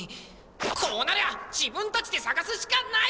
こうなりゃじぶんたちでさがすしかない！